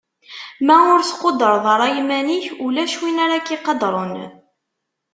Ma ur tqudreḍ ara iman-ik, ulac win ara k-iqadren.